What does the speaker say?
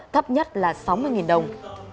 thấp nhất là sáu mươi đồng